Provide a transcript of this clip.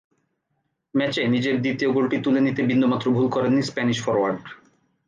ম্যাচে নিজের দ্বিতীয় গোলটি তুলে নিতে বিন্দুমাত্র ভুল করেননি স্প্যানিশ ফরোয়ার্ড।